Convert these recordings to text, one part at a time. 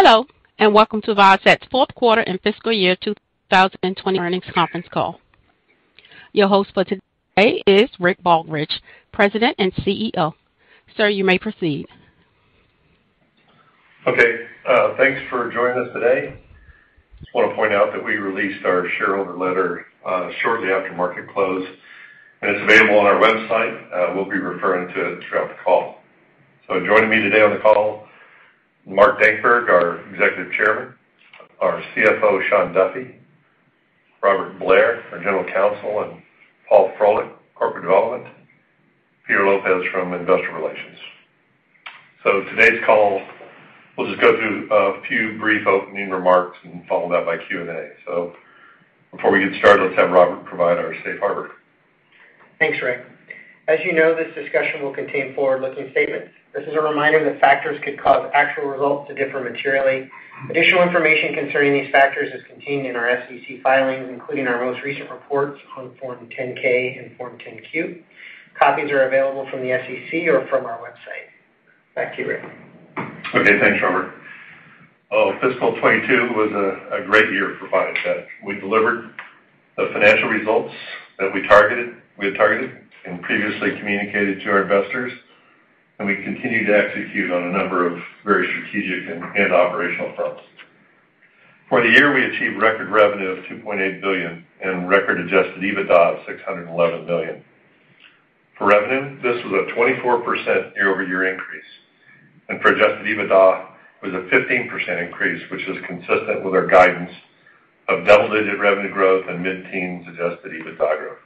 Hello, and welcome to Viasat's fourth quarter and fiscal year 2020 earnings conference call. Your host for today is Rick Baldridge, President and CEO. Sir, you may proceed. Okay. Thanks for joining us today. Just wanna point out that we released our shareholder letter, shortly after market close, and it's available on our website. We'll be referring to it throughout the call. Joining me today on the call, Mark Dankberg, our Executive Chairman, our CFO, Shawn Duffy, Robert Blair, our General Counsel, and Paul Froelich, Corporate Development, Peter Lopez from Investor Relations. Today's call, we'll just go through a few brief opening remarks and follow that by Q&A. Before we get started, let's have Robert provide our safe harbor. Thanks, Rick. As you know, this discussion will contain forward-looking statements. This is a reminder that factors could cause actual results to differ materially. Additional information concerning these factors is contained in our SEC filings, including our most recent reports on Form 10-K and Form 10-Q. Copies are available from the SEC or from our website. Back to you, Rick. Okay, thanks, Robert. Fiscal 2022 was a great year for Viasat. We delivered the financial results that we had targeted and previously communicated to our investors, and we continued to execute on a number of very strategic and operational fronts. For the year, we achieved record revenue of $2.8 billion and record adjusted EBITDA of $611 million. For revenue, this was a 24% year-over-year increase, and for adjusted EBITDA, it was a 15% increase, which is consistent with our guidance of double-digit revenue growth and mid-teen EBITDA growth.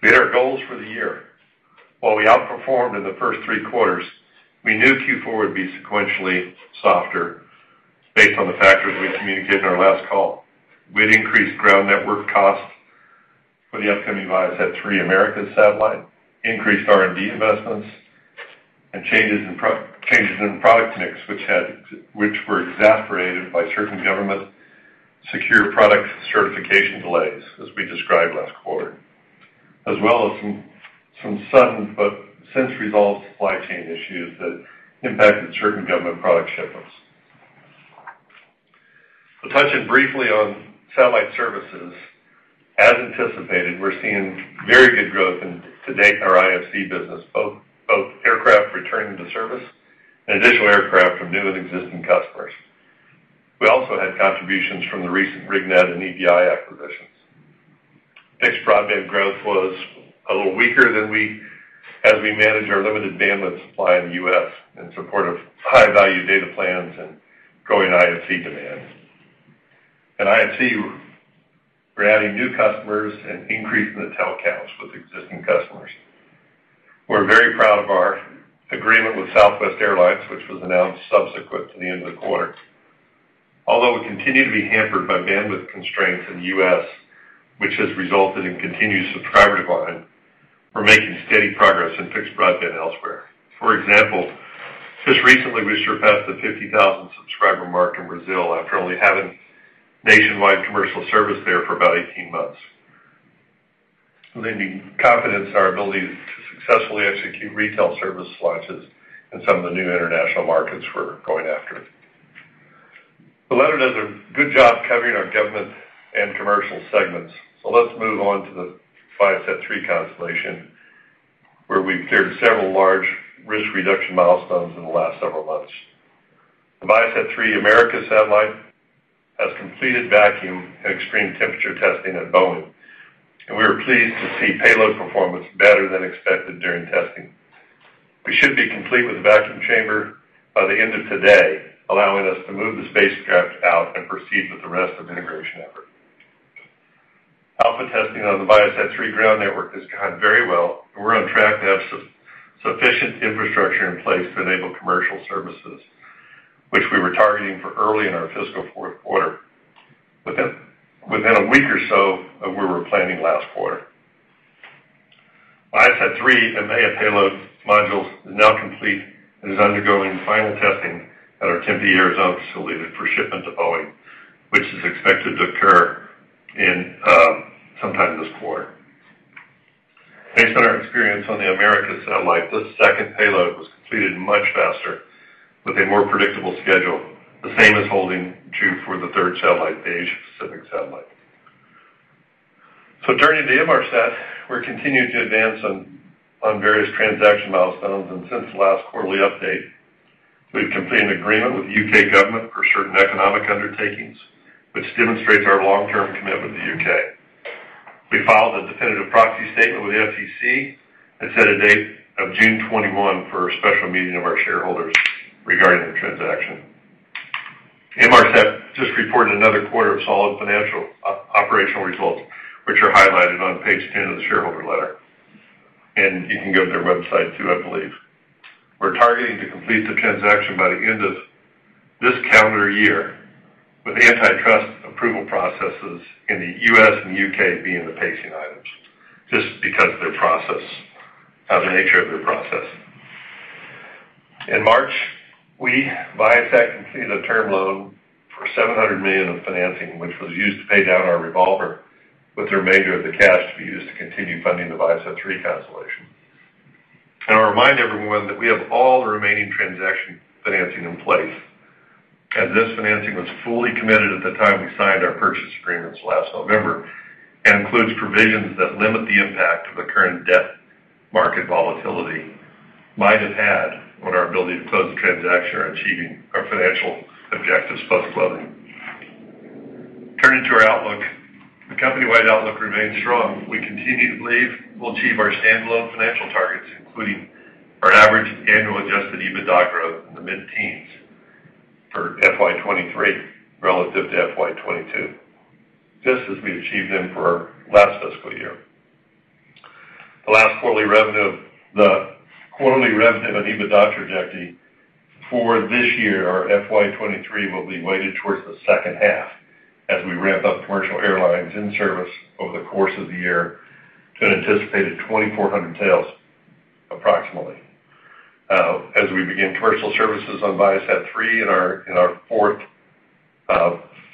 We hit our goals for the year. While we outperformed in the first three quarters, we knew Q4 would be sequentially softer based on the factors we communicated in our last call. We had increased ground network costs for the upcoming ViaSat-3 Americas satellite, increased R&D investments, and changes in product mix, which were exacerbated by certain government secure product certification delays, as we described last quarter, as well as some sudden, but since resolved supply chain issues that impacted certain government product shipments. I'll touch on briefly on Satellite Services. As anticipated, we're seeing very good growth in, to date, our IFC business, both aircraft returning to service and additional aircraft from new and existing customers. We also had contributions from the recent RigNet and EBI acquisitions. Fixed Broadband growth was a little weaker as we managed our limited bandwidth supply in the U.S. in support of high-value data plans and growing IFC demand. At IFC, we're adding new customers and increasing the telcos with existing customers. We're very proud of our agreement with Southwest Airlines, which was announced subsequent to the end of the quarter. Although we continue to be hampered by bandwidth constraints in the U.S., which has resulted in continued subscriber decline, we're making steady progress in Fixed Broadband elsewhere. For example, just recently, we surpassed the 50,000 subscriber mark in Brazil after only having nationwide commercial service there for about 18 months. Lending confidence in our ability to successfully execute retail service launches in some of the new international markets we're going after. The letter does a good job covering our government and commercial segments, so let's move on to the ViaSat-3 constellation, where we've cleared several large risk reduction milestones in the last several months. The ViaSat-3 Americas satellite has completed vacuum and extreme temperature testing at Boeing, and we were pleased to see payload performance better than expected during testing. We should be complete with the vacuum chamber by the end of today, allowing us to move the spacecraft out and proceed with the rest of the integration effort. Alpha testing on the ViaSat-3 ground network has gone very well, and we're on track to have sufficient infrastructure in place to enable commercial services, which we were targeting for early in our fiscal fourth quarter, within a week or so of where we're planning last quarter. ViaSat-3 EMEA payload modules is now complete and is undergoing final testing at our Tempe, Arizona facility for shipment to Boeing, which is expected to occur in sometime this quarter. Based on our experience on the Americas satellite, this second payload was completed much faster with a more predictable schedule. The same is holding true for the third satellite, the Asia-Pacific satellite. Turning to Inmarsat, we're continuing to advance on various transaction milestones, and since the last quarterly update, we've completed an agreement with the U.K. government for certain economic undertakings, which demonstrates our long-term commitment to the U.K. We filed a definitive proxy statement with the SEC and set a date of June 21 for a special meeting of our shareholders regarding the transaction. Inmarsat just reported another quarter of solid financial operational results, which are highlighted on page 10 of the shareholder letter, and you can go to their website too, I believe. We're targeting to complete the transaction by the end of this calendar year, with the antitrust approval processes in the U.S. and U.K. being the pacing items, just because of the nature of their process. In March, we, Viasat, completed a term loan for $700 million of financing, which was used to pay down our revolver, with the remainder of the cash to be used to continue funding the ViaSat-3 constellation. I'll remind everyone that we have all the remaining transaction financing in place. This financing was fully committed at the time we signed our purchase agreements last November, and includes provisions that limit the impact of the current debt market volatility might have had on our ability to close the transaction or achieving our financial objectives post-closing. Turning to our outlook. The company-wide outlook remains strong. We continue to believe we'll achieve our standalone financial targets, including our average annual adjusted EBITDA growth in the mid-teens for FY 2023 relative to FY 2022, just as we achieved them for our last fiscal year. The quarterly revenue and EBITDA trajectory for this year, our FY 2023, will be weighted towards the second half as we ramp up commercial airlines in service over the course of the year to an anticipated 2,400 tails approximately. As we begin commercial services on ViaSat-3 in our fourth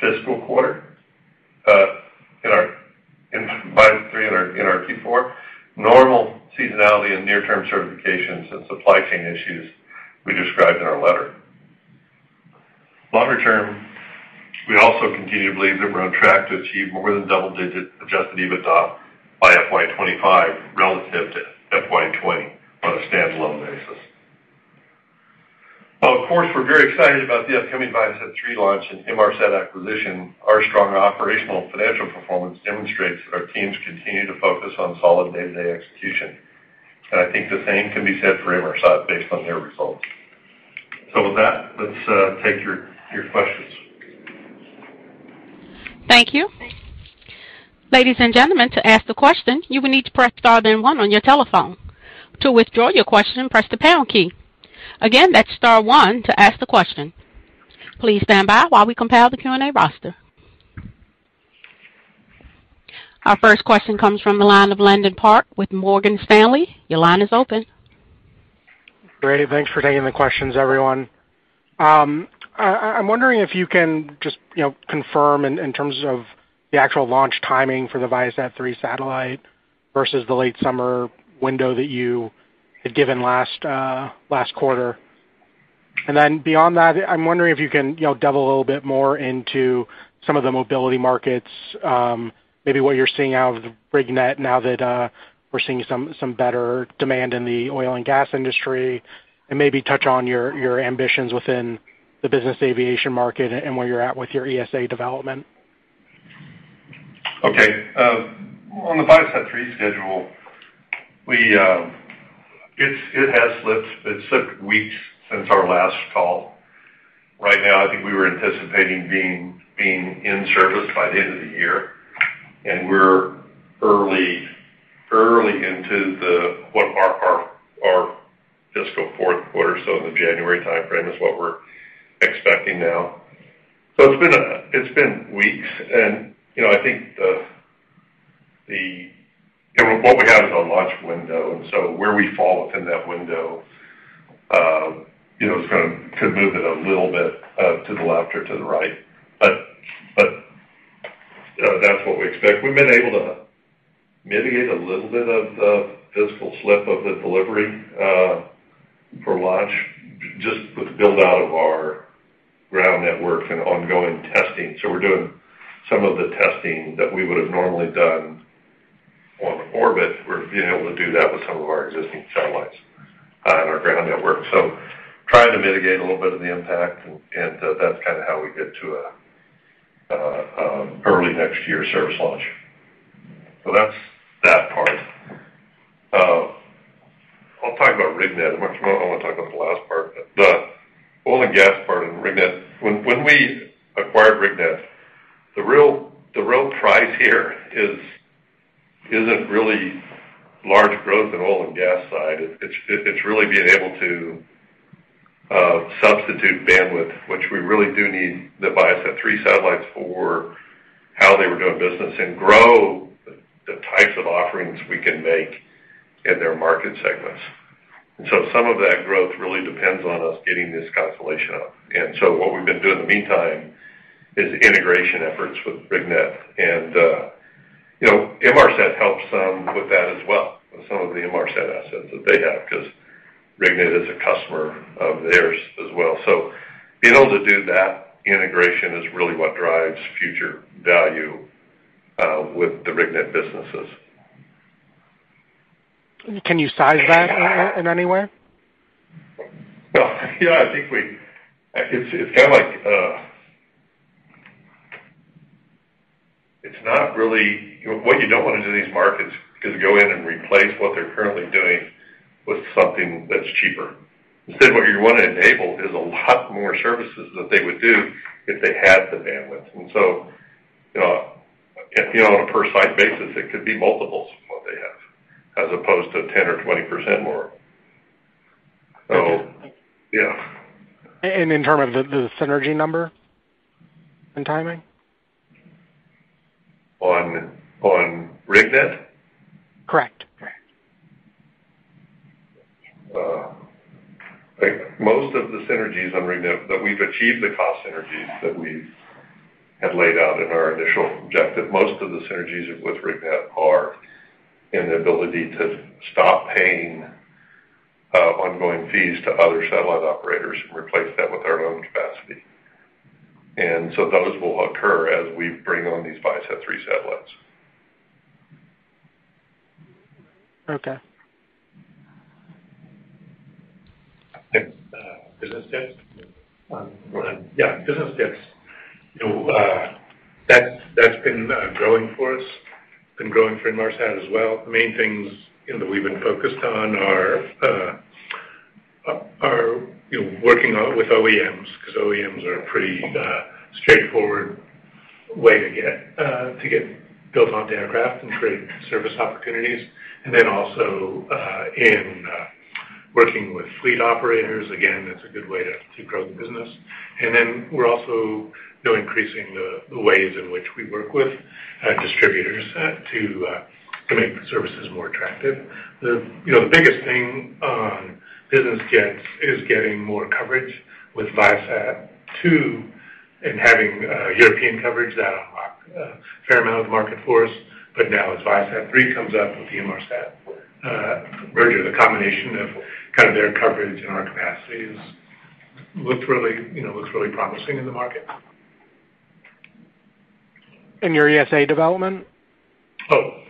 fiscal quarter, in our Q4, normal seasonality and near-term certifications and supply chain issues we described in our letter. Longer term, we also continue to believe that we're on track to achieve more than double-digit adjusted EBITDA by FY 2025 relative to FY 2020 on a standalone basis. Of course, we're very excited about the upcoming ViaSat-3 launch and Inmarsat acquisition. Our strong operational financial performance demonstrates that our teams continue to focus on solid day-to-day execution. I think the same can be said for Inmarsat based on their results. With that, let's take your questions. Thank you. Ladies and gentlemen, to ask the question, you will need to press star then one on your telephone. To withdraw your question, press the pound key. Again, that's star one to ask the question. Please stand by while we compile the Q&A roster. Our first question comes from the line of Landon Park with Morgan Stanley. Your line is open. Great. Thanks for taking the questions, everyone. I'm wondering if you can just, you know, confirm in terms of the actual launch timing for the ViaSat-3 satellite versus the late summer window that you had given last quarter? Beyond that, I'm wondering if you can, you know, delve a little bit more into some of the mobility markets, maybe what you're seeing out of the RigNet now that we're seeing some better demand in the oil and gas industry, and maybe touch on your ambitions within the business aviation market and where you're at with your ESA development. Okay. On the ViaSat-3 schedule, it has slipped weeks since our last call. Right now, I think we were anticipating being in service by the end of the year, and we're early into our fiscal fourth quarter, so in the January timeframe is what we're expecting now. It's been weeks. You know, I think what we have is a launch window, and so where we fall within that window, you know, could move it a little bit to the left or to the right. But you know, that's what we expect. We've been able to mitigate a little bit of the fiscal slip of the delivery for launch just with the build-out of our ground network and ongoing testing. We're doing some of the testing that we would have normally done on orbit. We're being able to do that with some of our existing satellites on our ground network. Trying to mitigate a little bit of the impact, and that's kinda how we get to a early next year service launch. That's that part. I'll talk about RigNet much more. I wanna talk about the last part. The oil and gas part in RigNet. When we acquired RigNet, the real prize here isn't really large growth in oil and gas side. It's really being able to substitute bandwidth, which we really do need the ViaSat-3 satellites for how they were doing business and grow the types of offerings we can make in their market segments. Some of that growth really depends on us getting this constellation up. What we've been doing in the meantime is integration efforts with RigNet. Inmarsat helps with that as well, with some of the Inmarsat assets that they have because RigNet is a customer of theirs as well. Being able to do that integration is really what drives future value with the RigNet businesses. Can you size that in any way? Well, yeah, I think it's kinda like. It's not really what you don't wanna do in these markets is go in and replace what they're currently doing with something that's cheaper. Instead, what you wanna enable is a lot more services that they would do if they had the bandwidth. You know, on a per site basis, it could be multiples from what they have, as opposed to 10% or 20% more. Okay. Yeah. In terms of the synergy number and timing? On RigNet? Correct. Correct. Most of the synergies on RigNet that we've achieved, the cost synergies that we had laid out in our initial objective. Most of the synergies with RigNet are in the ability to stop paying ongoing fees to other satellite operators and replace that with our own capacity. Those will occur as we bring on these ViaSat-3 satellites. Okay. Business jets. Yeah, business jets. You know, that's been growing for us, been growing for Inmarsat as well. The main things, you know, that we've been focused on are, you know, working on with OEMs because OEMs are pretty straightforward way to get built onto aircraft and create service opportunities. Then also in working with fleet operators, again, that's a good way to grow the business. Then we're also, you know, increasing the ways in which we work with distributors to make the services more attractive. You know, the biggest thing on business jets is getting more coverage with ViaSat-2 and having European coverage. That unlocked a fair amount of the market for us. Now as ViaSat-3 comes up with the Inmarsat merger, the combination of kind of their coverage and our capacity looks really, you know, promising in the market. Your ESA development? Oh, yeah.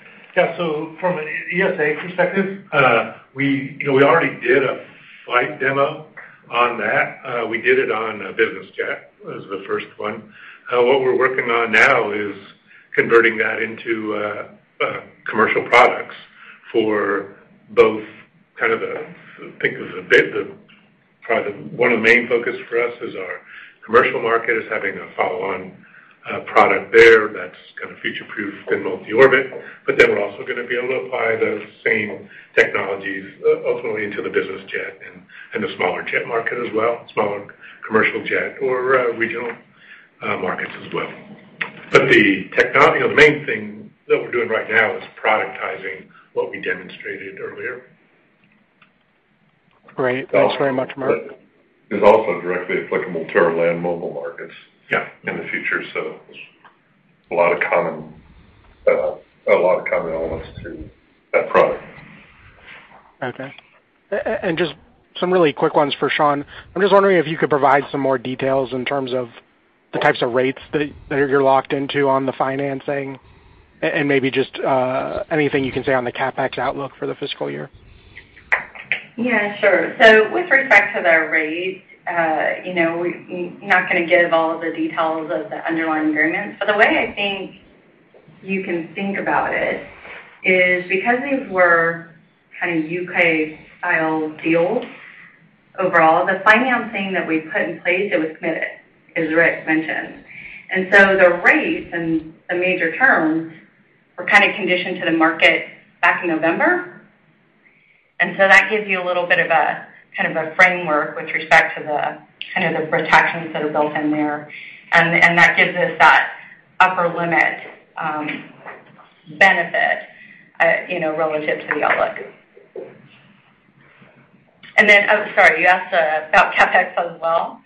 From an ESA perspective, you know, we already did a flight demo on that. We did it on a business jet. It was the first one. What we're working on now is converting that into commercial products for both kind of one of the main focus for us is our commercial market, is having a follow-on product there that's kind of future-proof in multi-orbit. We're also going to be able to apply the same technologies ultimately into the business jet and the smaller jet market as well, smaller commercial jet or regional markets as well. The main thing that we're doing right now is productizing what we demonstrated earlier. Great. Thanks very much, Mark. Is also directly applicable to our land mobile markets. Yeah. in the future. A lot of common elements to that product. Okay. Just some really quick ones for Shawn. I'm just wondering if you could provide some more details in terms of the types of rates that you're locked into on the financing and maybe just anything you can say on the CapEx outlook for the fiscal year. Yeah, sure. With respect to the rate, you know, we're not going to give all the details of the underlying agreements. The way I think you can think about it is because these were kind of U.K. style deals overall, the financing that we put in place, it was committed, as Rick mentioned. The rates and the major terms were kind of conditioned to the market back in November. That gives you a little bit of a kind of a framework with respect to the kind of the protections that are built in there. That gives us that upper limit benefit, you know, relative to the outlook. Then, oh, sorry, you asked about CapEx as well.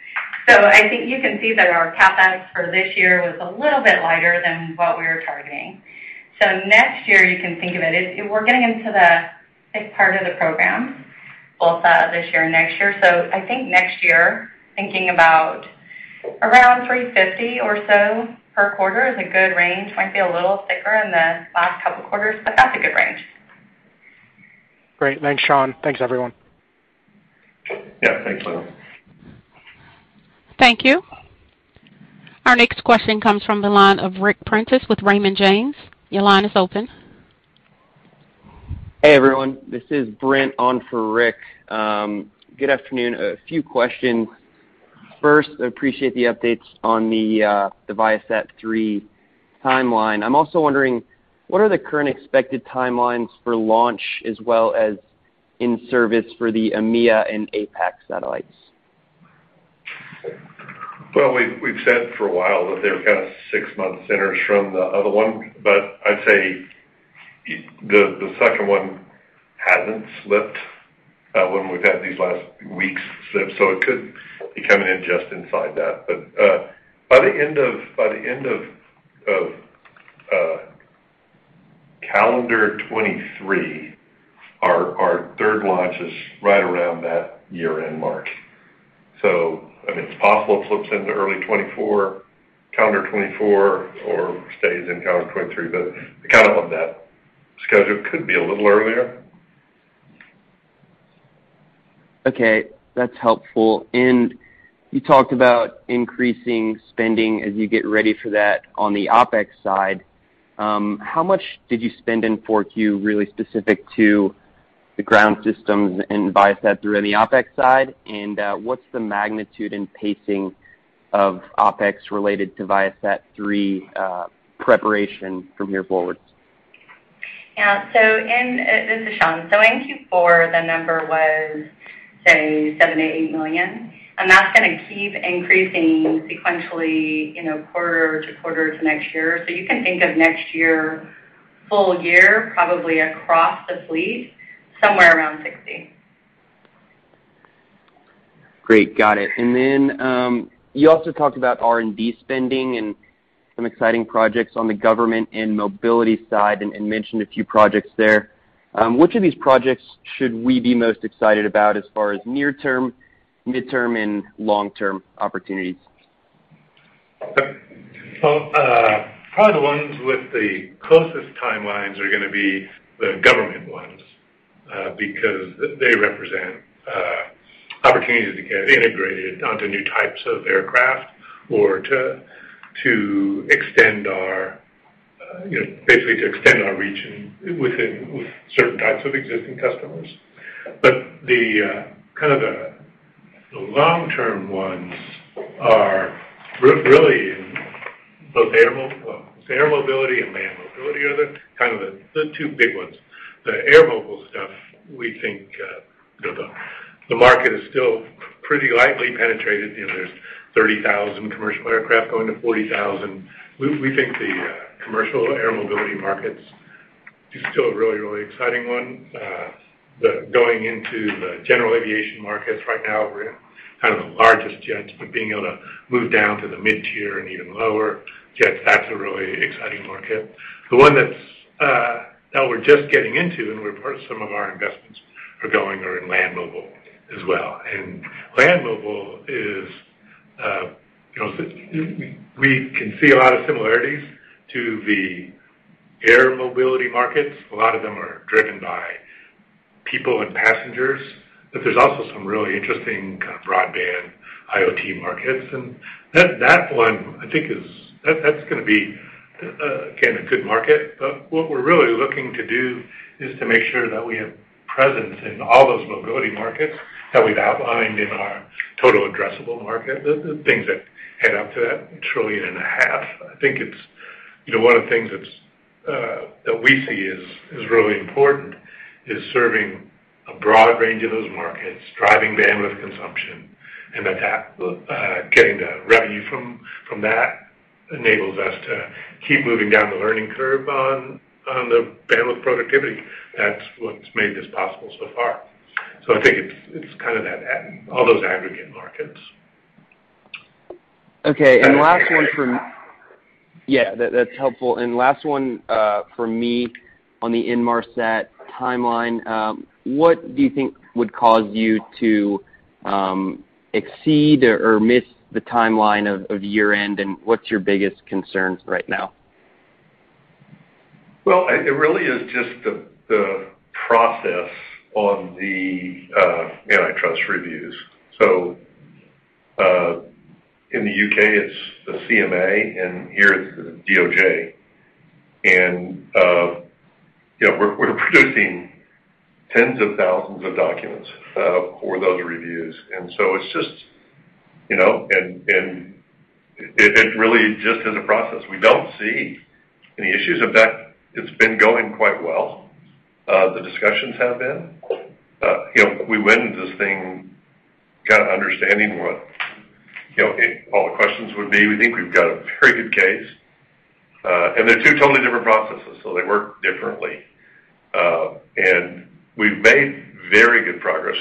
I think you can see that our CapEx for this year was a little bit lighter than what we were targeting. Next year, you can think of it as we're getting into the big part of the program, both this year and next year. I think next year, thinking about around $350 or so per quarter is a good range. Might be a little thicker in the last couple of quarters, but that's a good range. Great. Thanks, Shawn. Thanks, everyone. Yeah. Thanks, Will. Thank you. Our next question comes from the line of Ric Prentiss with Raymond James. Your line is open. Hey, everyone. This is Brent on for Rick. Good afternoon. A few questions. First, I appreciate the updates on the ViaSat-3 timeline. I'm also wondering what are the current expected timelines for launch as well as in-service for the EMEA and APAC satellites? Well, we've said for a while that they're kind of six months behind the other one, but I'd say the second one hasn't slipped when we've had these last weeks slip. It could be coming in just inside that. By the end of calendar 2023, our third launch is right around that year-end mark. I mean, it's possible it slips into early 2024, calendar 2024, or stays in calendar 2023. Kind of on that schedule. Could be a little earlier. Okay. That's helpful. You talked about increasing spending as you get ready for that on the OpEx side. How much did you spend in 4Q really specific to the ground systems and ViaSat-3 on the OpEx side? What's the magnitude and pacing of OpEx related to ViaSat-3 preparation from here forward? This is Shawn. In Q4, the number was, say, 7 million-8 million, and that's going to keep increasing sequentially, you know, quarter to quarter to next year. You can think of next year full year, probably across the fleet, somewhere around 60. Great. Got it. Then, you also talked about R&D spending and some exciting projects on the government and mobility side, and mentioned a few projects there. Which of these projects should we be most excited about as far as near-term, midterm, and long-term opportunities? Well, probably the ones with the closest timelines are gonna be the government ones, because they represent opportunities to get integrated onto new types of aircraft or to extend our, you know, basically to extend our reach within with certain types of existing customers. But the kind of the long-term ones are really both air mobility and land mobility are the kind of the two big ones. The air mobile stuff we think, you know, the market is still pretty lightly penetrated. You know, there's 30,000 commercial aircraft going to 40,000. We think the commercial air mobility markets is still a really, really exciting one. Going into the general aviation markets right now, we're kind of the largest jets, but being able to move down to the mid-tier and even lower jets, that's a really exciting market. The one that we're just getting into, and where part of some of our investments are going, are in land mobile as well. Land mobile is, you know. We can see a lot of similarities to the air mobility markets. A lot of them are driven by people and passengers, but there's also some really interesting kind of broadband IoT markets. That one, I think, is. That's gonna be, again, a good market. What we're really looking to do is to make sure that we have presence in all those mobility markets that we've outlined in our total addressable market, the things that add up to that $1.5 trillion. I think it's, you know, one of the things that's that we see as really important is serving a broad range of those markets, driving bandwidth consumption, and that will getting the revenue from that enables us to keep moving down the learning curve on the bandwidth productivity. That's what's made this possible so far. I think it's kind of that all those aggregate markets. Yeah. That's helpful. Last one for me on the Inmarsat timeline. What do you think would cause you to exceed or miss the timeline of year-end, and what's your biggest concerns right now? It really is just the process on the antitrust reviews. In the U.K., it's the CMA, and here, it's the DOJ. You know, we're producing tens of thousands of documents for those reviews. It's just, you know, it really just is a process. We don't see any issues with that. It's been going quite well, the discussions have been. You know, we went into this thing kind of understanding what, you know, all the questions would be. We think we've got a very good case. They're two totally different processes, so they work differently. We've made very good progress.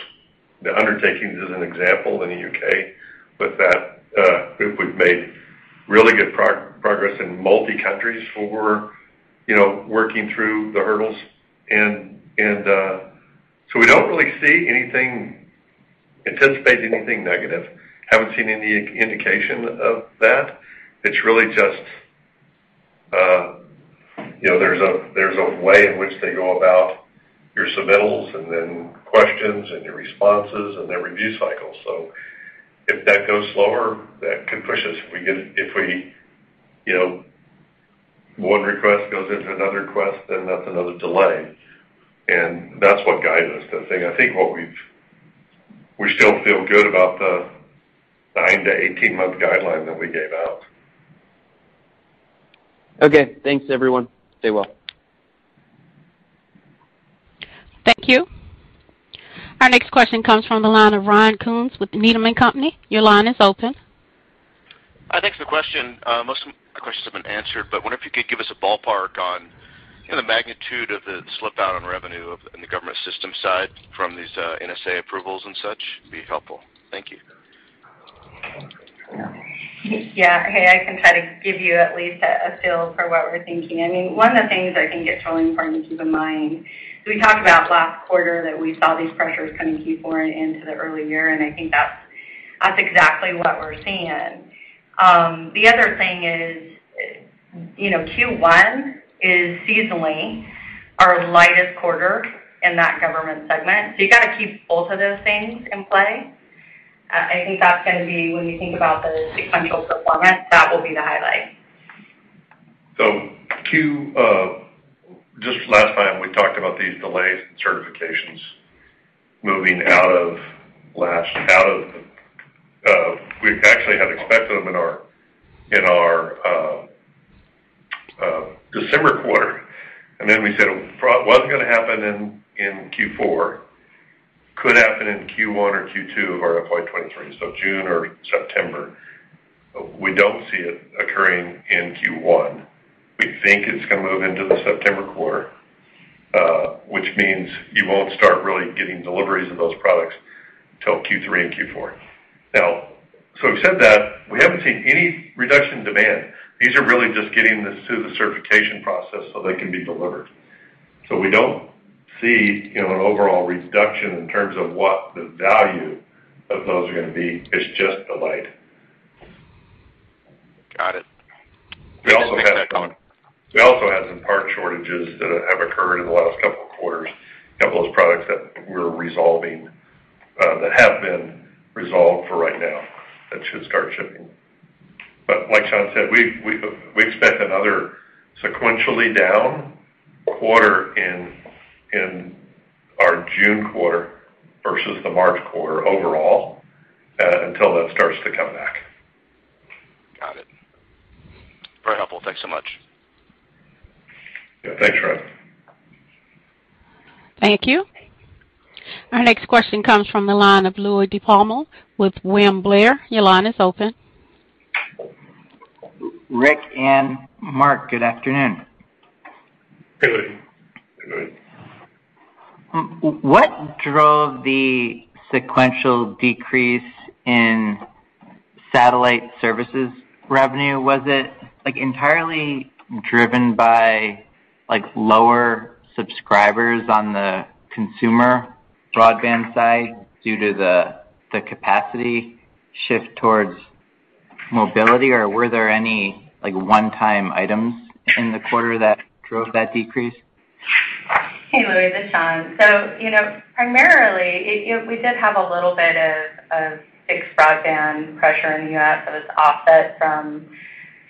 The undertakings is an example in the U.K. That, we've made really good progress in multiple countries for, you know, working through the hurdles and. We don't really see anything, anticipate anything negative. Haven't seen any indication of that. It's really just, there's a way in which they go about your submittals and then questions and your responses and their review cycles. If that goes slower, that could push us. If one request goes into another request, then that's another delay. That's what guides us. We still feel good about the 9-18-month guideline that we gave out. Okay. Thanks, everyone. Stay well. Thank you. Our next question comes from the line of Ryan Koontz with Needham & Company. Your line is open. Hi. Thanks for the question. Most of my questions have been answered, but I wonder if you could give us a ballpark on, you know, the magnitude of the slippage on revenue in the government systems side from these NSA approvals and such. It'd be helpful. Thank you. Yeah. Hey, I can try to give you at least a feel for what we're thinking. I mean, one of the things I think it's really important to keep in mind, we talked about last quarter that we saw these pressures coming Q4 and into the early year, and I think that's exactly what we're seeing. The other thing is, you know, Q1 is seasonally our lightest quarter in that government segment. You gotta keep both of those things in play. I think that's gonna be, when you think about the sequential performance, that will be the highlight. Q, just last time, we talked about these delays in certifications moving out of. We actually had expected them in our December quarter, and then we said it wasn't gonna happen in Q4, happen in Q1 or Q2 of our FY 2023, so June or September. We don't see it occurring in Q1. We think it's gonna move into the September quarter, which means you won't start really getting deliveries of those products till Q3 and Q4. We've said that we haven't seen any reduction in demand. These are really just getting this through the certification process so they can be delivered. We don't see an overall reduction in terms of what the value of those are gonna be. It's just delayed. Got it. We also had- Thanks for that comment. We also had some part shortages that have occurred in the last couple of quarters of those products that we're resolving, that have been resolved for right now. That should start shipping. Like Shawn said, we expect another sequentially down quarter in our June quarter versus the March quarter overall, until that starts to come back. Got it. Very helpful. Thanks so much. Yeah. Thanks, Travis. Thank you. Our next question comes from the line of Louie DiPalma with William Blair. Your line is open. Rick and Mark, good afternoon. Hey, Louie. Hey, Louie. What drove the sequential decrease in satellite services revenue? Was it, like, entirely driven by, like, lower subscribers on the consumer broadband side due to the capacity shift towards mobility, or were there any, like, one-time items in the quarter that drove that decrease? Hey, Louie, it's Shawn. You know, primarily you know, we did have a little bit of Fixed Broadband pressure in the U.S. that was offset from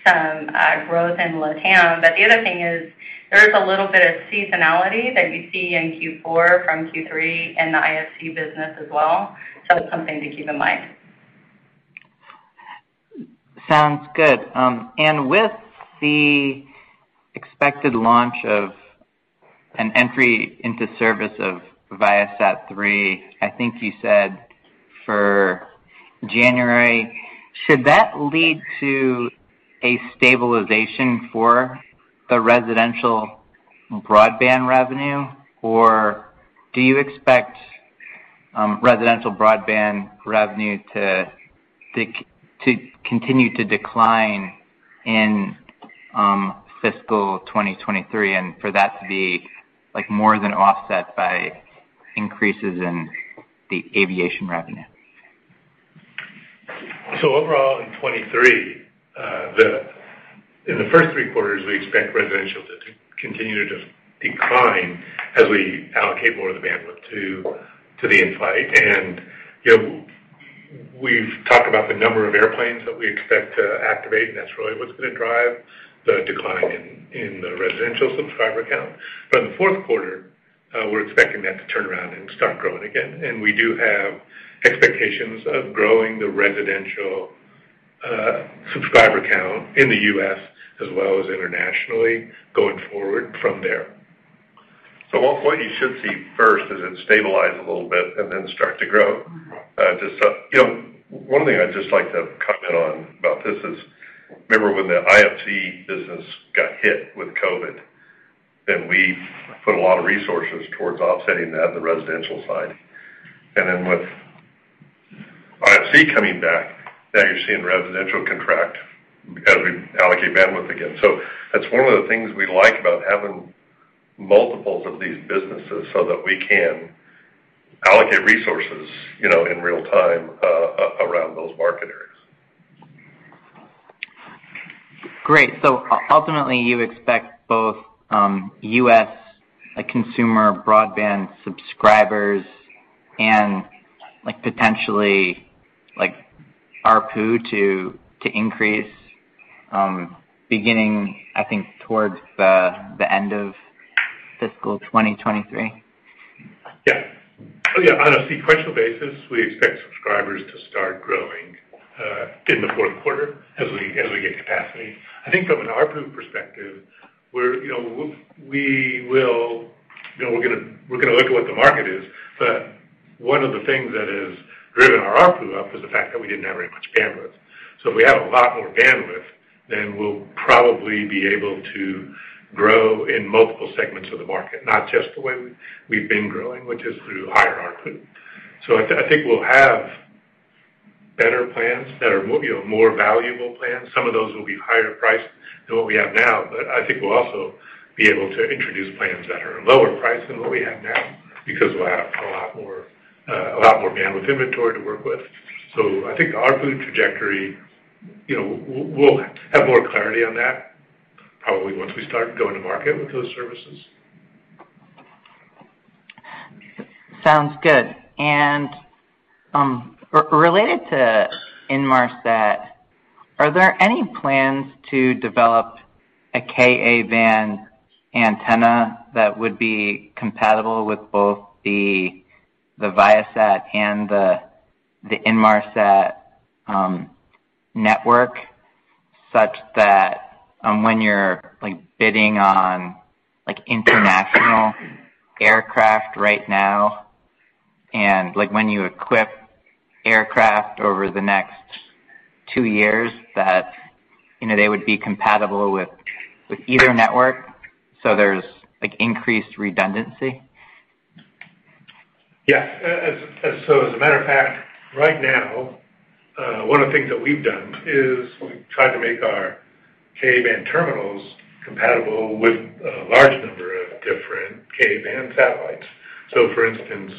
some growth in Latam. The other thing is there is a little bit of seasonality that you see in Q4 from Q3 in the IFC business as well. It's something to keep in mind. Sounds good. With the expected launch of an entry into service of ViaSat-3, I think you said for January, should that lead to a stabilization for the residential broadband revenue, or do you expect residential broadband revenue to continue to decline in fiscal 2023 and for that to be, like, more than offset by increases in the aviation revenue? Overall, in 2023, in the first three quarters, we expect residential to continue to decline as we allocate more of the bandwidth to the in-flight. You know, we've talked about the number of airplanes that we expect to activate, and that's really what's gonna drive the decline in the residential subscriber count. In the fourth quarter, we're expecting that to turn around and start growing again. We do have expectations of growing the residential subscriber count in the U.S. as well as internationally going forward from there. What you should see first is it stabilize a little bit and then start to grow. You know, one thing I'd just like to comment on about this is, remember when the IFC business got hit with COVID, then we put a lot of resources towards offsetting that in the residential side. With IFC coming back, now you're seeing residential contracting as we allocate bandwidth again. That's one of the things we like about having multiples of these businesses so that we can allocate resources, you know, in real-time, around those market areas. Great. Ultimately, you expect both U.S. like consumer broadband subscribers and like potentially like ARPU to increase beginning I think towards the end of fiscal 2023? Yeah. Yeah. On a sequential basis, we expect subscribers to start growing in the fourth quarter as we get capacity. I think from an ARPU perspective, you know, we're gonna look at what the market is, but one of the things that has driven our ARPU up is the fact that we didn't have very much bandwidth. If we have a lot more bandwidth, then we'll probably be able to grow in multiple segments of the market, not just the way we've been growing, which is through higher ARPU. I think we'll have better plans that are more, you know, more valuable plans. Some of those will be higher priced than what we have now. I think we'll also be able to introduce plans that are lower priced than what we have now because we'll have a lot more bandwidth inventory to work with. I think ARPU trajectory, you know, we'll have more clarity on that probably once we start going to market with those services. Sounds good. Related to Inmarsat, are there any plans to develop a Ka-band antenna that would be compatible with both the Viasat and the Inmarsat network? Such that, when you're, like, bidding on, like, international aircraft right now, and, like, when you equip aircraft over the next two years that, you know, they would be compatible with either network, so there's, like, increased redundancy. Yes. As a matter of fact, right now, one of the things that we've done is we've tried to make our Ka-band terminals compatible with a large number of different Ka-band satellites. For instance,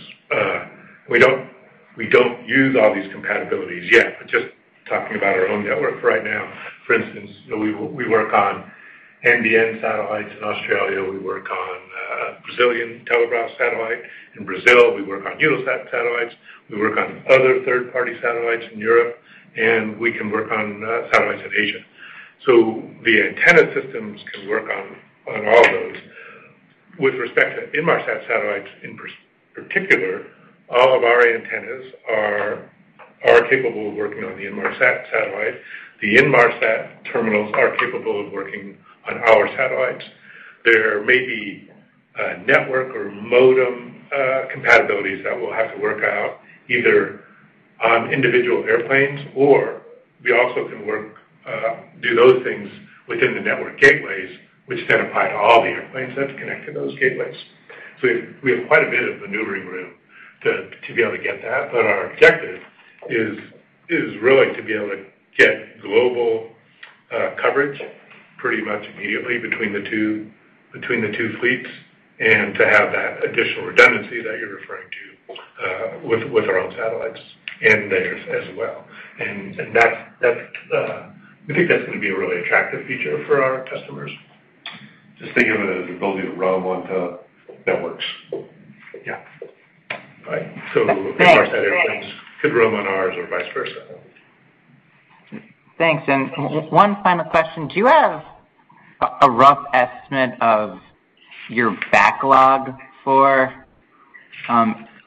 we don't use all these compatibilities yet, but just talking about our own network right now, for instance, you know, we work on NBN satellites in Australia. We work on Brazilian Telebras satellite in Brazil. We work on Inmarsat satellites. We work on other third-party satellites in Europe, and we can work on satellites in Asia. The antenna systems can work on all those. With respect to Inmarsat satellites in particular, all of our antennas are capable of working on the Inmarsat satellite. The Inmarsat terminals are capable of working on our satellites. There may be network or modem compatibilities that we'll have to work out, either on individual airplanes or we also can do those things within the network gateways, which then apply to all the airplanes that's connected to those gateways. We have quite a bit of maneuvering room to be able to get that. Our objective is really to be able to get global coverage pretty much immediately between the two fleets and to have that additional redundancy that you're referring to with our own satellites and theirs as well. We think that's gonna be a really attractive feature for our customers. Just think of it as the ability to roam onto networks. Yeah. Right. Great. Great. Inmarsat airplanes could roam on ours or vice versa. Thanks. One final question. Do you have a rough estimate of your backlog for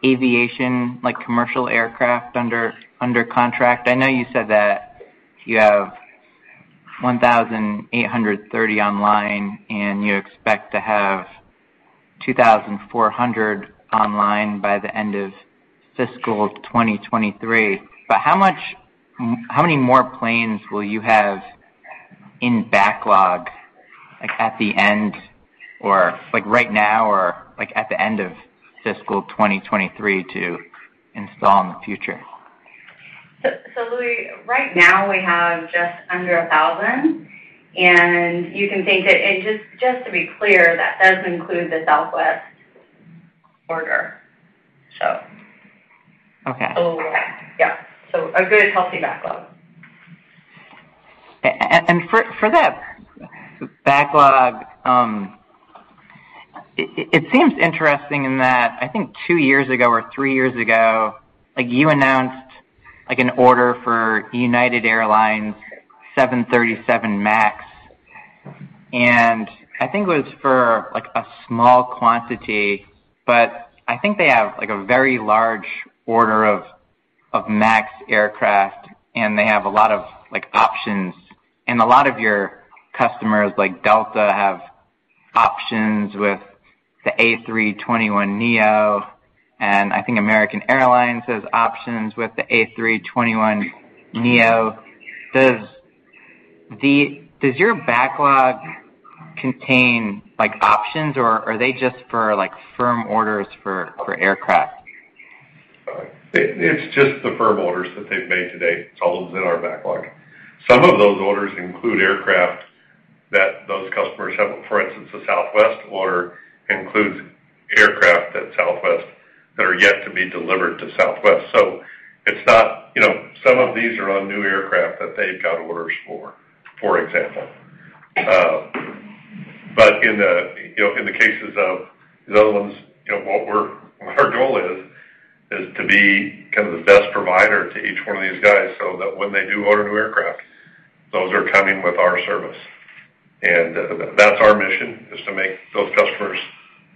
aviation, like commercial aircraft under contract? I know you said that you have 1,830 online, and you expect to have 2,400 online by the end of fiscal 2023. How many more planes will you have in backlog, like, at the end or, like, right now or, like, at the end of fiscal 2023 to install in the future? Louie, right now we have just under 1,000. Just to be clear, that does include the Southwest order. Okay. A little wide. Yeah. A good, healthy backlog. For that backlog, it seems interesting in that I think two years ago or three years ago, like, you announced, like, an order for United Airlines 737 MAX. I think it was for, like, a small quantity, but I think they have, like, a very large order of MAX aircraft, and they have a lot of, like, options. A lot of your customers, like Delta, have options with the A321neo, and I think American Airlines has options with the A321neo. Does your backlog contain, like, options, or are they just for, like, firm orders for aircraft? It's just the firm orders that they've made to date. It's all those in our backlog. Some of those orders include aircraft that those customers have. For instance, the Southwest order includes aircraft at Southwest that are yet to be delivered to Southwest. It's not. You know, some of these are on new aircraft that they've got orders for example. In the cases of the other ones, you know, what our goal is to be kind of the best provider to each one of these guys so that when they do order new aircraft, those are coming with our service. That's our mission, is to make those customers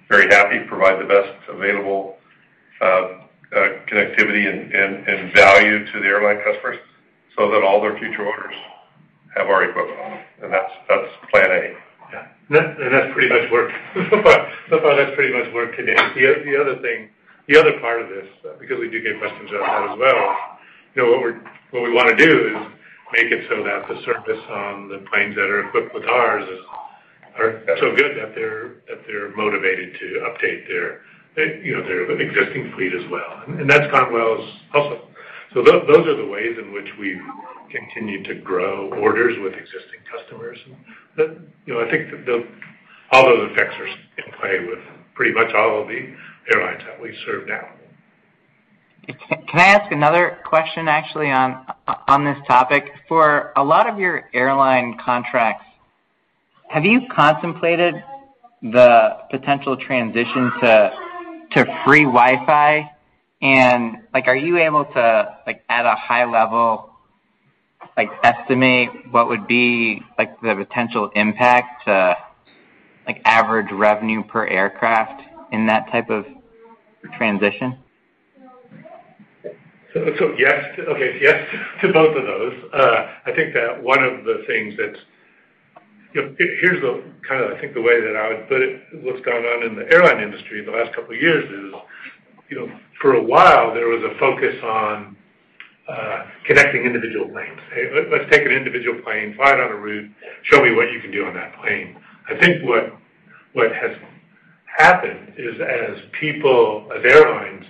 very happy, provide the best available connectivity and value to the airline customers so that all their future orders have already booked. That's plan A. That and that's pretty much worked. So far that's pretty much worked to date. The other thing, the other part of this, because we do get questions on that as well, you know, what we wanna do is make it so that the service on the planes that are equipped with ours is so good that they're motivated to update their, you know, their existing fleet as well. That's gone well as also. Those are the ways in which we've continued to grow orders with existing customers. You know, I think all those effects are in play with pretty much all of the airlines that we serve now. Can I ask another question actually on this topic? For a lot of your airline contracts, have you contemplated the potential transition to free Wi-Fi? Like, are you able to, like, at a high level, like, estimate what would be, like, the potential impact to, like, average revenue per aircraft in that type of transition? Yes. Okay, yes to both of those. I think that one of the things that you know, here's kind of, I think, the way that I would put it, what's gone on in the airline industry in the last couple of years is, you know, for a while, there was a focus on connecting individual planes. Let's take an individual plane, fly it on a route, show me what you can do on that plane. I think what has happened is as airlines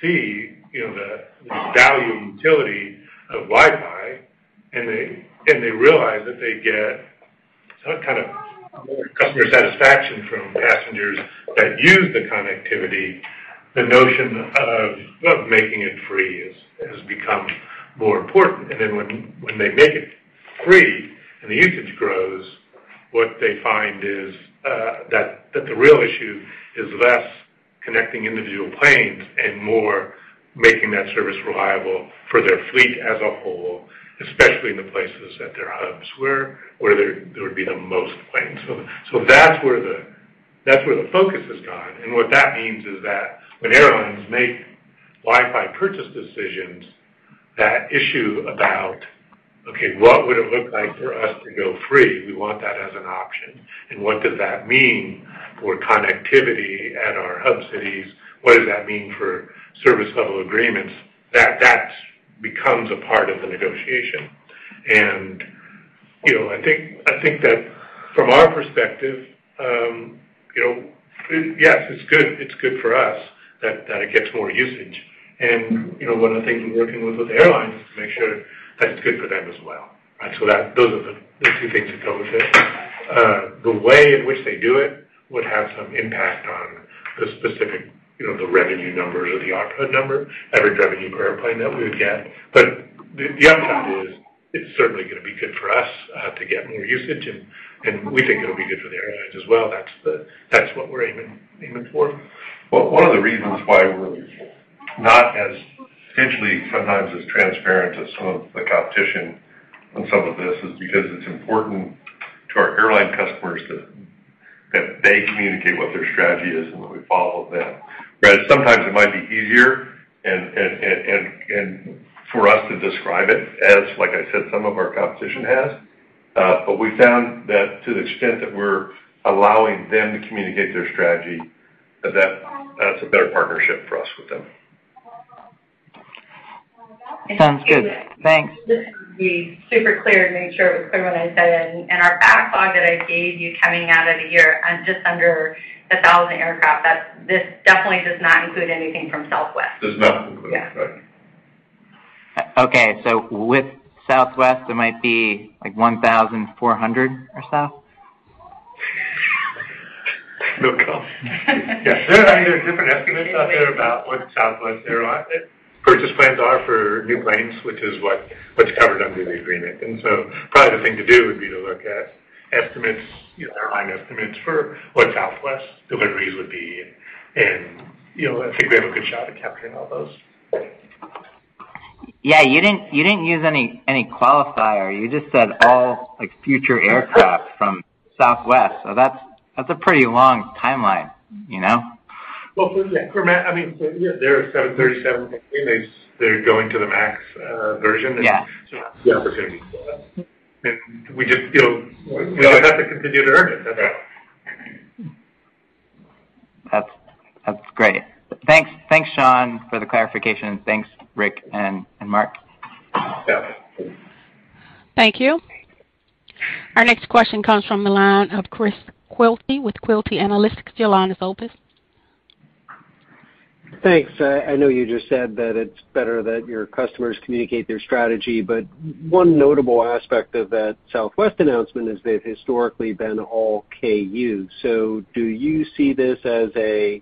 see, you know, the value and utility of Wi-Fi, and they realize that they get some kind of customer satisfaction from passengers that use the connectivity, the notion of making it free has become more important. When they make it free and the usage grows, what they find is that the real issue is less connecting individual planes and more making that service reliable for their fleet as a whole, especially in the places at their hubs, where there would be the most planes. That's where the focus has gone. What that means is that when airlines make Wi-Fi purchase decisions, that issue about, okay, what would it look like for us to go free? We want that as an option. What does that mean for connectivity at our hub cities? What does that mean for service level agreements? That becomes a part of the negotiation. You know, I think that from our perspective, you know, yes, it's good. It's good for us that it gets more usage. You know, one of the things we're working with airlines is to make sure that it's good for them as well. Those are the two things that go with it. The way in which they do it would have some impact on the specific, you know, the revenue numbers or the output number, average revenue per airplane that we would get. The upside is it's certainly going to be good for us, to get more usage, and we think it'll be good for the airlines as well. That's what we're aiming for. Well, one of the reasons why we're not as potentially sometimes as transparent as some of the competition on some of this is because it's important to our airline customers that they communicate what their strategy is and that we follow that. Whereas sometimes it might be easier and for us to describe it as, like I said, some of our competition has. We found that to the extent that we're allowing them to communicate their strategy, that's a better partnership for us with them. Sounds good. Thanks. Just to be super clear and make sure it was clear what I said, and our backlog that I gave you coming out of the year, just under 1,000 aircraft. That's this definitely does not include anything from Southwest. Does not include it. Yeah. Right. Okay. With Southwest, it might be, like, 1,400 or so? No comment. Yeah. There are different estimates out there about what Southwest's purchase plans are for new planes, which is what's covered under the agreement. Probably the thing to do would be to look at estimates, you know, airline estimates for what Southwest deliveries would be. You know, I think we have a good shot at capturing all those. Yeah, you didn't use any qualifier. You just said all, like, future aircraft from Southwest. That's a pretty long timeline, you know? Well, I mean, so yeah, their 737 clean, they're going to the MAX version. Yeah. The opportunity is still there. We just feel we have to continue to earn it. That's right. That's great. Thanks. Thanks, Shawn, for the clarification. Thanks, Rick and Mark. Yeah. Thank you. Our next question comes from the line of Chris Quilty with Quilty Analytics. Your line is open. Thanks. I know you just said that it's better that your customers communicate their strategy, but one notable aspect of that Southwest announcement is they've historically been all KU. So do you see this as a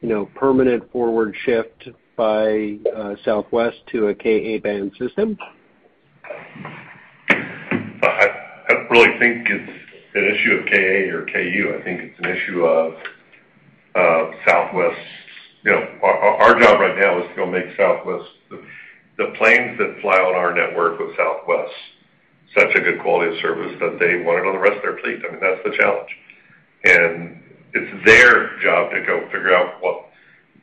you know permanent forward shift by Southwest to a Ka-band system? I don't really think it's an issue of KA or KU. I think it's an issue of Southwest. You know, our job right now is to go make Southwest the planes that fly on our network with Southwest such a good quality of service that they want it on the rest of their fleet. I mean, that's the challenge. It's their job to go figure out what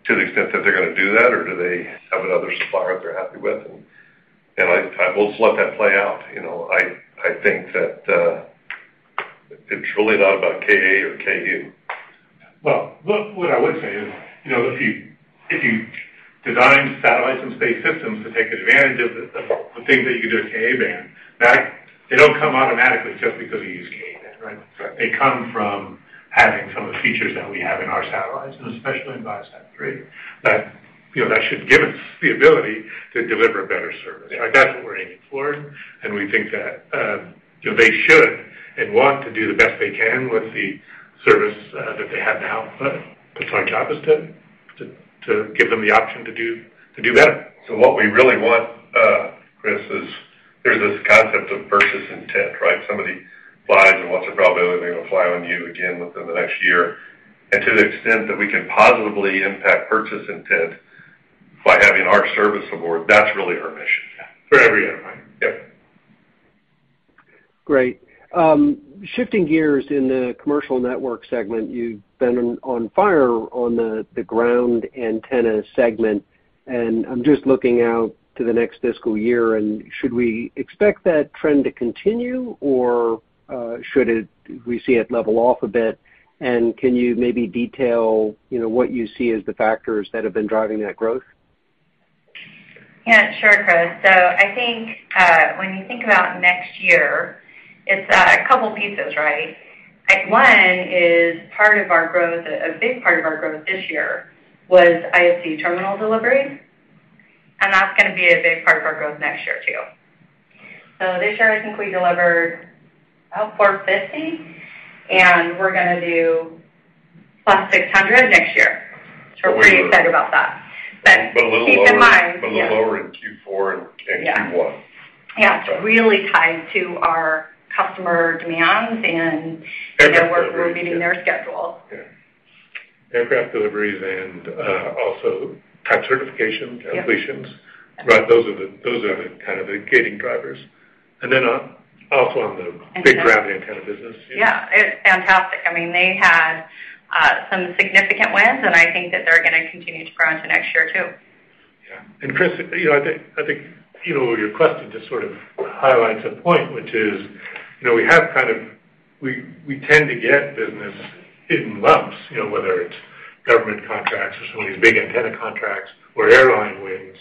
to the extent that they're gonna do that, or do they have another supplier that they're happy with. We'll let that play out. You know, I think that it's really not about KA or KU. Well, look, what I would say is, you know, if you design satellites and space systems to take advantage of the things that you can do with Ka-band, that they don't come automatically just because you use Ka-band, right? Right. They come from having some of the features that we have in our satellites, and especially in ViaSat-3, that, you know, that should give us the ability to deliver a better service. Like, that's what we're aiming for. We think that, you know, they should and want to do the best they can with the service, that they have now. It's our job is to give them the option to do better. What we really want, Chris, is there's this concept of purchase intent, right? Somebody flies, and what's the probability they're gonna fly on you again within the next year? To the extent that we can positively impact purchase intent by having our service aboard, that's really our mission. For every airline. Great. Shifting gears in the commercial network segment, you've been on fire on the ground antenna segment, and I'm just looking out to the next fiscal year. Should we expect that trend to continue, or should we see it level off a bit? Can you maybe detail, you know, what you see as the factors that have been driving that growth? Yeah, sure, Chris. I think, when you think about next year, it's a couple pieces, right? One is part of our growth, a big part of our growth this year was IFC terminal delivery, and that's gonna be a big part of our growth next year too. This year, I think we delivered, oh, 450, and we're gonna do plus 600 next year. We're pretty excited about that. Keep in mind. A little lower in Q4 and Q1. Yeah. It's really tied to our customer demands and, you know, we're meeting their schedule. Yeah. Aircraft deliveries and also type certification completions. Yeah. Right. Those are the kind of the gating drivers. Also on the big ground antenna business. It's fantastic. I mean, they had some significant wins, and I think that they're gonna continue to grow into next year too. Yeah. Chris, you know, I think your question just sort of highlights a point, which is, you know, we tend to get business in lumps, you know, whether it's government contracts or some of these big antenna contracts or airline wins.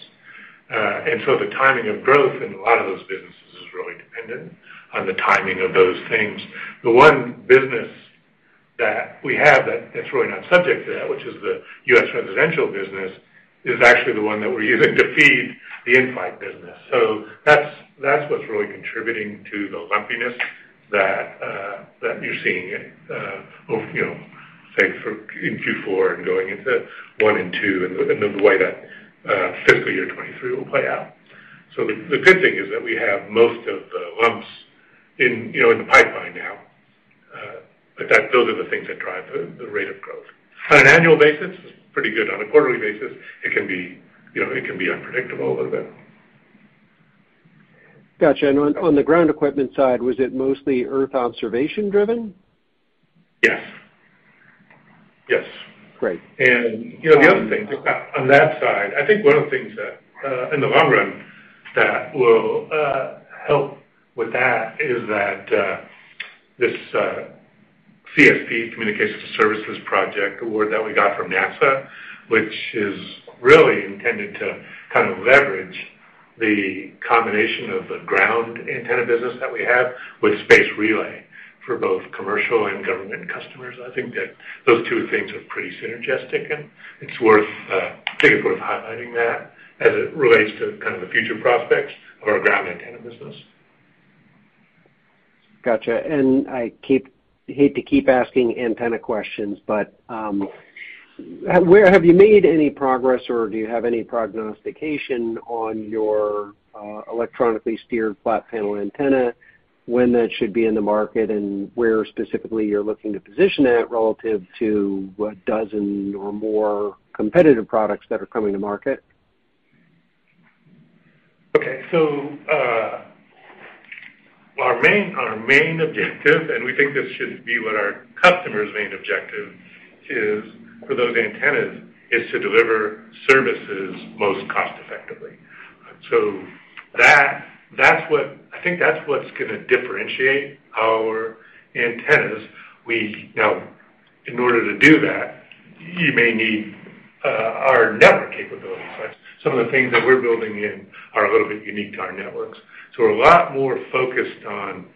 The timing of growth in a lot of those businesses is really dependent on the timing of those things. The one business that we have that is really not subject to that, which is the U.S. residential business, is actually the one that we're using to feed the in-flight business. That's what's really contributing to the lumpiness that you're seeing, you know, say for in Q4 and going into one and two, and the way that fiscal year 2023 will play out. The good thing is that we have most of the lumps in, you know, in the pipeline now, those are the things that drive the rate of growth. On an annual basis, it's pretty good. On a quarterly basis, it can be, you know, it can be unpredictable a little bit. Gotcha. On the ground equipment side, was it mostly earth observation driven? Yes. Yes. Great. You know, the other thing, on that side, I think one of the things that in the long run will help with that is that this CSP, Communications Services Project award that we got from NASA, which is really intended to kind of leverage the combination of the ground antenna business that we have with space relay for both commercial and government customers. I think that those two things are pretty synergistic, and it's pretty worth highlighting that as it relates to kind of the future prospects of our ground antenna business. Gotcha. Hate to keep asking antenna questions, but have you made any progress, or do you have any prognostication on your electronically steered flat panel antenna, when that should be in the market, and where specifically you're looking to position it relative to a dozen or more competitive products that are coming to market? Okay. Our main objective, and we think this should be what our customer's main objective is for those antennas, is to deliver services most cost effectively. That, that's what I think that's what's gonna differentiate our antennas. Now, in order to do that, you may need our network capability. Some of the things that we're building in are a little bit unique to our networks. We're a lot more focused on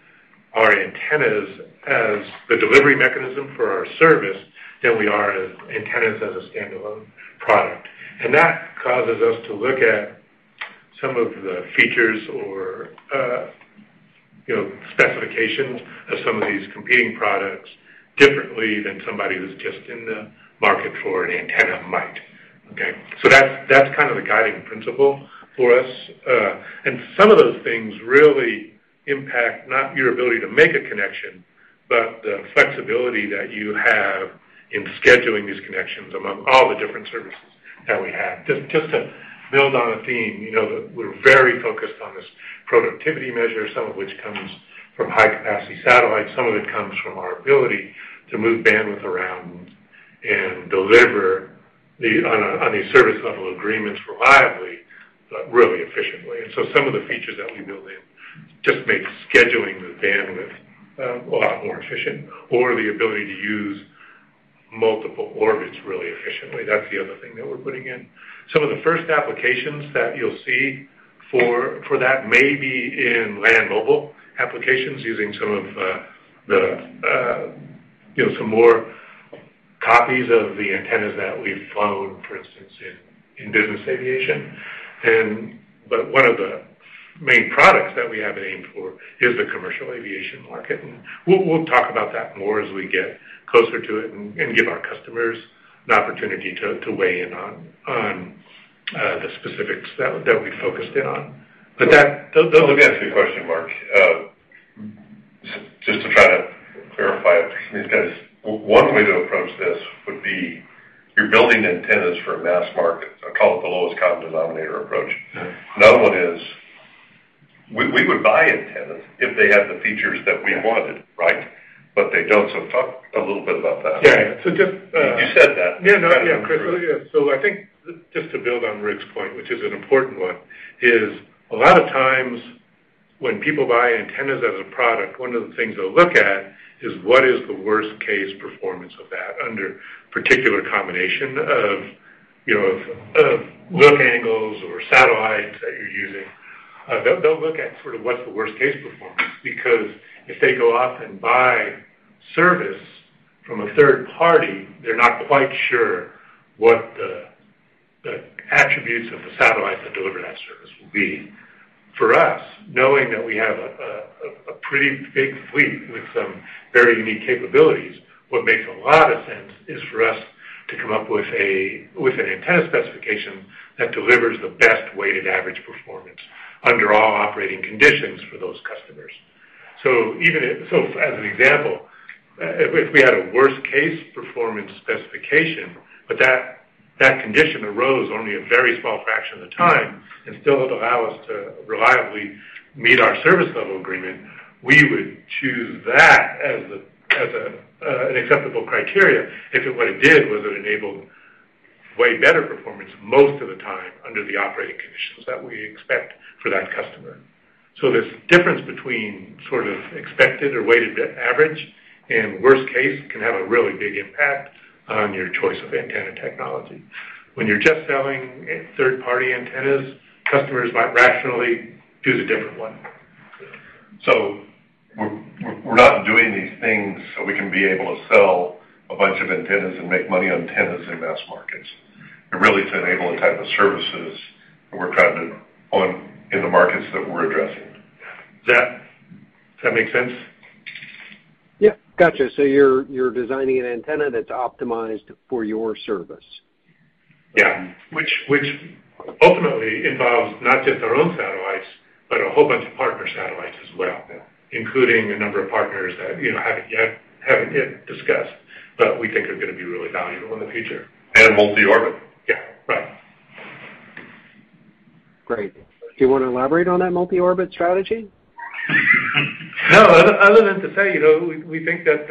our antennas as the delivery mechanism for our service than we are as antennas as a standalone product. That causes us to look at some of the features or, you know, specifications of some of these competing products differently than somebody who's just in the market for an antenna might. Okay. That's kind of the guiding principle for us. Some of those things really impact not your ability to make a connection, but the flexibility that you have in scheduling these connections among all the different services that we have. Just to build on a theme, you know, that we're very focused on this productivity measure, some of which comes from high-capacity satellites, some of it comes from our ability to move bandwidth around and deliver on these service level agreements reliably, but really efficiently. Some of the features that we build in just make scheduling the bandwidth a lot more efficient or the ability to use multiple orbits really efficiently. That's the other thing that we're putting in. Some of the first applications that you'll see for that may be in land mobile applications using some of the you know some more copies of the antennas that we've flown for instance in business aviation. One of the main products that we have it aimed for is the commercial aviation market. We'll talk about that more as we get closer to it and give our customers an opportunity to weigh in on the specifics that we focused in on. Let me ask you a question, Mark, just to try to clarify it because one way to approach this would be You're building antennas for a mass market. I call it the lowest common denominator approach. Yeah. Another one is we would buy antennas if they had the features that we wanted, right? But they don't. Talk a little bit about that. Yeah. You said that. Yeah, no. Yeah, Chris. Yeah. I think just to build on Rick's point, which is an important one, is a lot of times when people buy antennas as a product, one of the things they'll look at is what is the worst case performance of that under particular combination of, you know, of look angles or satellites that you're using. They'll look at sort of what's the worst case performance. Because if they go off and buy service from a third party, they're not quite sure what the attributes of the satellite that deliver that service will be. For us, knowing that we have a pretty big fleet with some very unique capabilities, what makes a lot of sense is for us to come up with with an antenna specification that delivers the best weighted average performance under all operating conditions for those customers. So even if. As an example, if we had a worst case performance specification, but that condition arose only a very small fraction of the time, and still it allowed us to reliably meet our service level agreement, we would choose that as an acceptable criteria if what it did was it enabled way better performance most of the time under the operating conditions that we expect for that customer. This difference between sort of expected or weighted average and worst case can have a really big impact on your choice of antenna technology. When you're just selling third-party antennas, customers might rationally choose a different one. Yeah. We're not doing these things so we can be able to sell a bunch of antennas and make money on antennas in mass markets. They're really to enable the type of services that we're trying to own in the markets that we're addressing. Yeah. Does that make sense? Yeah. Gotcha. You're designing an antenna that's optimized for your service. Yeah. Which ultimately involves not just our own satellites, but a whole bunch of partner satellites as well. Yeah. Including a number of partners that, you know, haven't yet discussed, but we think are gonna be really valuable in the future. Multi-orbit. Yeah. Right. Great. Do you wanna elaborate on that multi-orbit strategy? No. Other than to say, you know, we think that,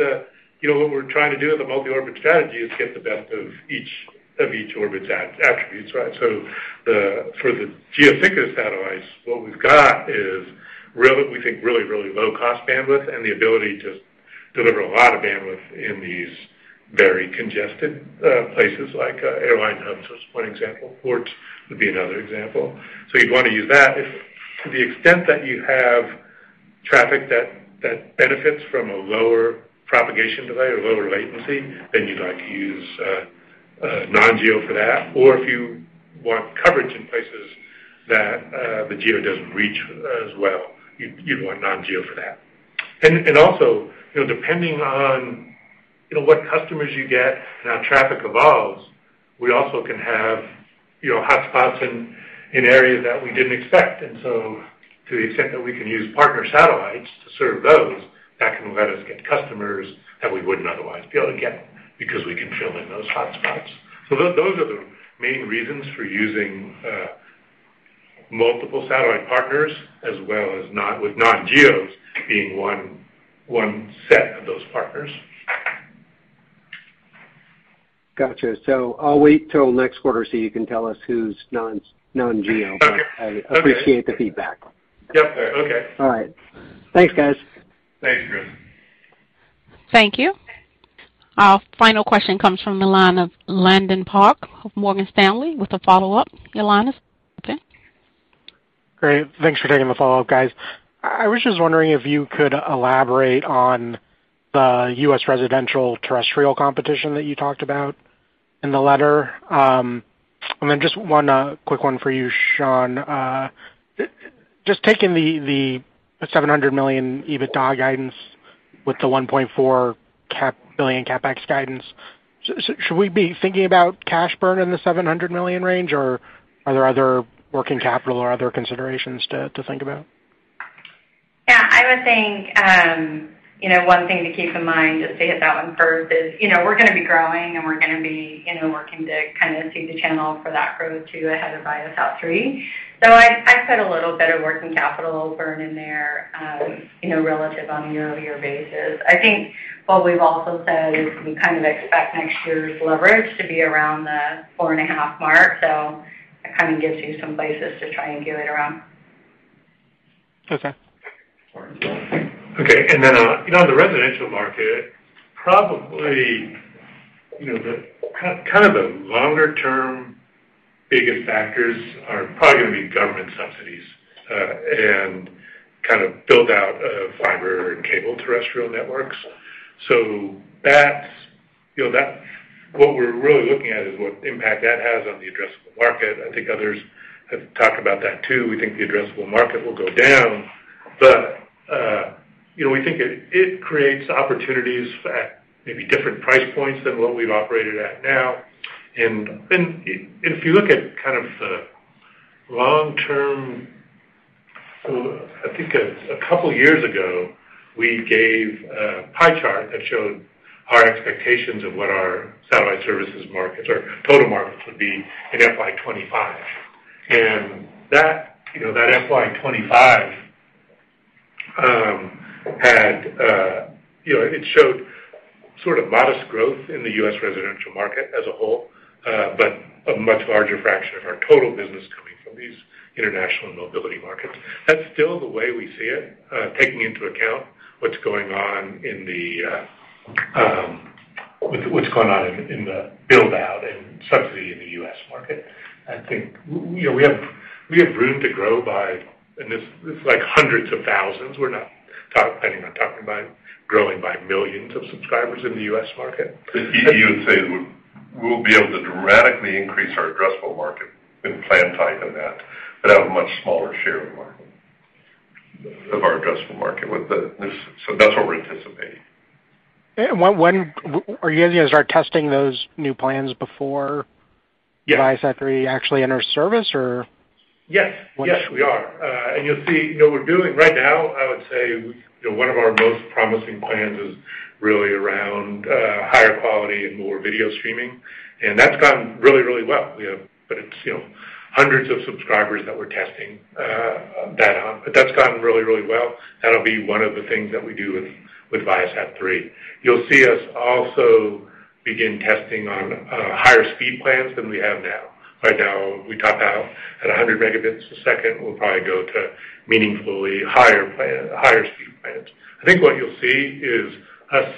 you know, what we're trying to do with a multi-orbit strategy is get the best of each orbit's attributes, right? For the geostationary satellites, what we've got is we think really low cost bandwidth and the ability to deliver a lot of bandwidth in these very congested places like airline hubs was one example. Ports would be another example. So you'd want to use that. If to the extent that you have traffic that benefits from a lower propagation delay or lower latency, then you'd like to use a non-geo for that. Or if you want coverage in places that the geo doesn't reach as well, you'd want non-geo for that. Also, you know, depending on, you know, what customers you get and how traffic evolves, we also can have, you know, hotspots in areas that we didn't expect. To the extent that we can use partner satellites to serve those, that can let us get customers that we wouldn't otherwise be able to get because we can fill in those hotspots. Those are the main reasons for using multiple satellite partners as well as with non-GEO being one set of those partners. Gotcha. I'll wait till next quarter, so you can tell us who's non-GEO. Okay. Okay. I appreciate the feedback. Yep. Okay. All right. Thanks, guys. Thanks, Chris. Thank you. Our final question comes from the line of Landon Park of Morgan Stanley with a follow-up. Your line is open. Great. Thanks for taking the follow-up, guys. I was just wondering if you could elaborate on the U.S. residential terrestrial competition that you talked about in the letter. Just one quick one for you, Shawn. Just taking the $700 million EBITDA guidance with the $1.4 billion CapEx guidance, should we be thinking about cash burn in the $700 million range, or are there other working capital or other considerations to think about? Yeah. I would think, you know, one thing to keep in mind, just to hit that one first is, you know, we're gonna be growing and working to kind of see the channel for that growth too ahead of ViaSat-3. I put a little bit of working capital burn in there, you know, relative on a year-over-year basis. I think what we've also said is we kind of expect next year's leverage to be around the 4.5 mark. That kind of gives you some places to triangulate around. Okay. Okay. You know, the residential market, probably, you know, the kind of the longer term biggest factors are probably gonna be government subsidies, and kind of build out of fiber and cable terrestrial networks. That's, you know, that. What we're really looking at is what impact that has on the addressable market. I think others have talked about that too. We think the addressable market will go down. You know, we think it creates opportunities at maybe different price points than what we've operated at now. If you look at kind of the long-term. I think a couple years ago, we gave a pie chart that showed our expectations of what our satellite services markets or total markets would be in FY 25. That, you know, that FY 25 had, you know, it showed sort of modest growth in the U.S. residential market as a whole, but a much larger fraction of our total business coming from these international mobility markets. That's still the way we see it, taking into account what's going on in the build-out and subsidy in the U.S. market. I think, you know, we have room to grow by hundreds of thousands. I'm not talking about growing by millions of subscribers in the U.S. market. You would say we will be able to dramatically increase our addressable market and plan type in that, but have a much smaller share of the market, of our addressable market. That's what we're anticipating. When are you guys gonna start testing those new plans before? Yes. ViaSat-3 actually enters service or? Yes. Yes, we are. You'll see, you know, Right now, I would say, you know, one of our most promising plans is really around higher quality and more video streaming, and that's gone really, really well. It's, you know, hundreds of subscribers that we're testing that on. That's gone really, really well. That'll be one of the things that we do with ViaSat-3. You'll see us also begin testing on higher speed plans than we have now. Right now, we top out at 100 Mbps. We'll probably go to meaningfully higher speed plans. I think what you'll see is us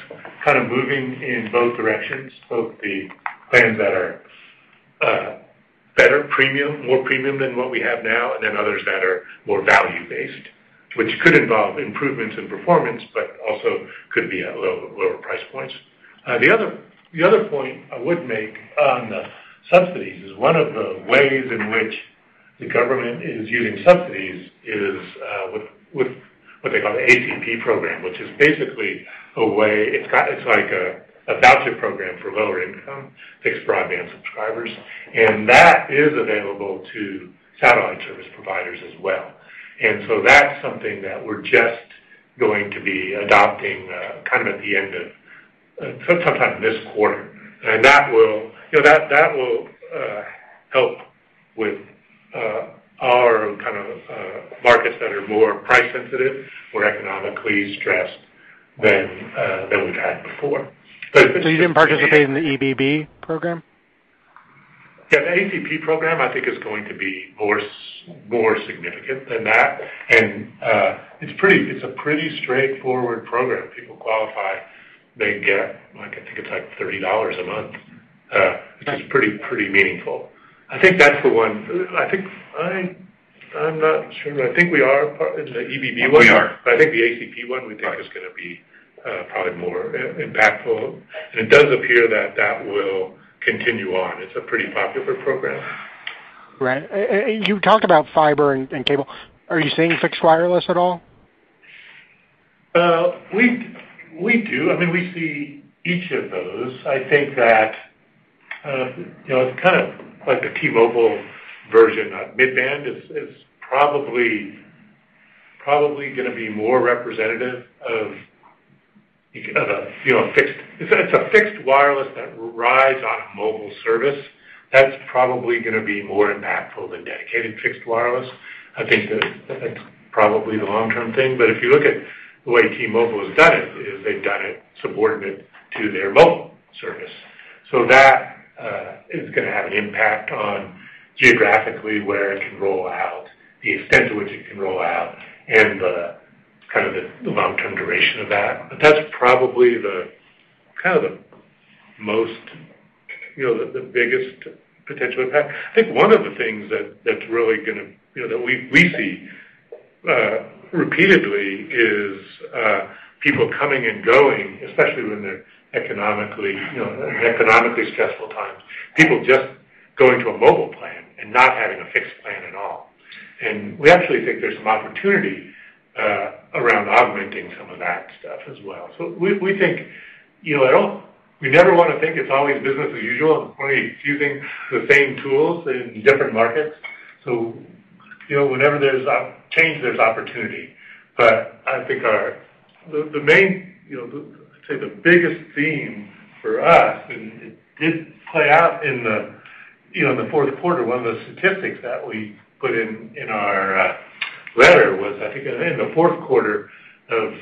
kind of moving in both directions, both the plans that are better premium, more premium than what we have now, and then others that are more value-based, which could involve improvements in performance, but also could be at lower price points. The other point I would make on the subsidies is one of the ways in which the government is using subsidies is with what they call the ACP program, which is basically a way. It's like a voucher program for lower income fixed broadband subscribers. That is available to satellite service providers as well. That's something that we're just going to be adopting kind of at the end of, so sometime this quarter. That will, you know, help with our kind of markets that are more price sensitive or economically stressed than we've had before. You didn't participate in the EBB program? Yeah. The ACP program, I think, is going to be more significant than that. It's a pretty straightforward program. People qualify, they get, like, I think it's like $30 a month. Right. which is pretty meaningful. I think that's the one. I think I'm not sure, but I think we are part of the EBB one. We are. I think the ACP one we think is gonna be probably more impactful. It does appear that that will continue on. It's a pretty popular program. Right. You talked about fiber and cable. Are you seeing fixed wireless at all? Well, we do. I mean, we see each of those. I think that, you know, it's kind of like a T-Mobile version. Mid-band is probably gonna be more representative of a, you know, fixed. It's a fixed wireless that rides on a mobile service. That's probably gonna be more impactful than dedicated fixed wireless. I think that's probably the long-term thing. But if you look at the way T-Mobile has done it, is they've done it subordinate to their mobile service. So that is gonna have an impact on geographically where it can roll out, the extent to which it can roll out, and the kind of the long-term duration of that. But that's probably the, kind of the most, you know, the biggest potential impact. I think one of the things that's really gonna, you know, that we see repeatedly is people coming and going, especially when they're in economically stressful times, people just going to a mobile plan and not having a fixed plan at all. We actually think there's some opportunity around augmenting some of that stuff as well. We think, you know, we never wanna think it's always business as usual, and we're only using the same tools in different markets. You know, whenever there's a change, there's opportunity. I think our the main, you know, the, I'd say the biggest theme for us, and it did play out in the, you know, in the fourth quarter, one of the statistics that we put in our letter was, I think in the fourth quarter of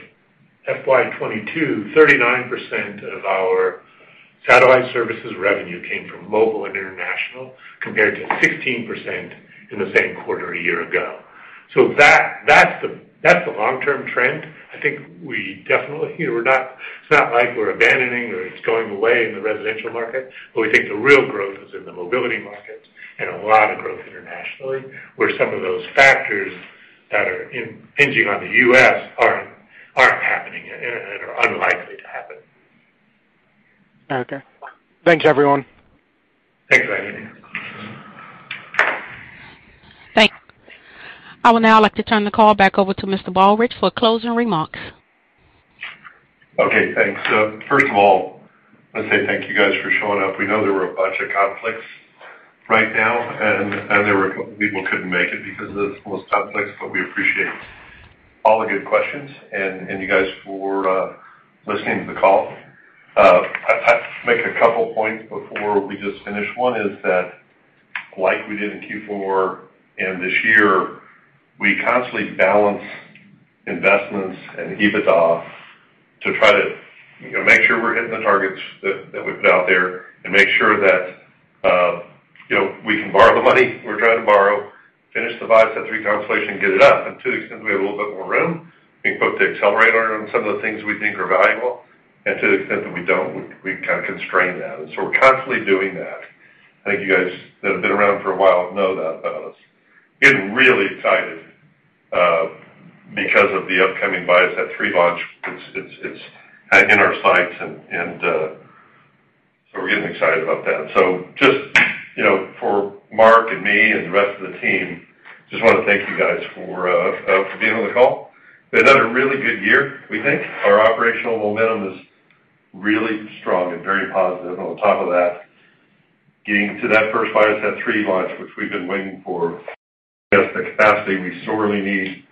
FY 2022, 39% of our satellite services revenue came from mobile and international compared to 16% in the same quarter a year ago. That that's the long-term trend. I think we definitely you know, we're not it's not like we're abandoning or it's going away in the residential market, but we think the real growth is in the mobility markets and a lot of growth internationally, where some of those factors that are impinging on the U.S. aren't happening and are unlikely to happen. Okay. Thanks, everyone. Thanks, Landon. I would now like to turn the call back over to Mr. Baldridge for closing remarks. Okay, thanks. First of all, I say thank you guys for showing up. We know there were a bunch of conflicts right now, and there were a couple of people who couldn't make it because of those conflicts, but we appreciate all the good questions and you guys for listening to the call. I make a couple points before we just finish. One is that like we did in Q4 and this year, we constantly balance investments and EBITDA to try to, you know, make sure we're hitting the targets that we put out there and make sure that, you know, we can borrow the money we're trying to borrow, finish the ViaSat-3 constellation, get it up. To the extent we have a little bit more room, we can put the accelerator on some of the things we think are valuable, and to the extent that we don't, we kind of constrain that. We're constantly doing that. I think you guys that have been around for a while know that about us. Getting really excited because of the upcoming ViaSat-3 launch. It's kind of in our sights and so we're getting excited about that. Just, you know, for Mark and me and the rest of the team, just wanna thank you guys for being on the call. Been another really good year, we think. Our operational momentum is really strong and very positive. On top of that, getting to that first ViaSat-3 launch, which we've been waiting for, give us the capacity we sorely need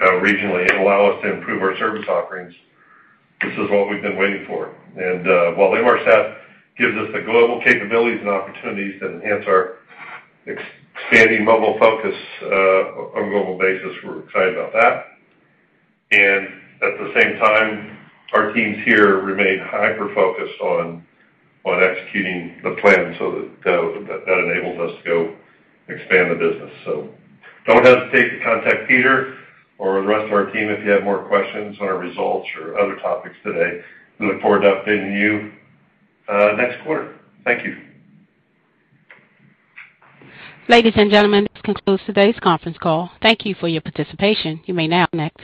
regionally and allow us to improve our service offerings. This is what we've been waiting for. While Inmarsat gives us the global capabilities and opportunities to enhance our expanding mobile focus, on a global basis, we're excited about that. At the same time, our teams here remain hyper-focused on executing the plan so that that enables us to go expand the business. Don't hesitate to contact Peter or the rest of our team if you have more questions on our results or other topics today. We look forward to updating you next quarter. Thank you. Ladies and gentlemen, this concludes today's conference call. Thank you for your participation. You may now disconnect.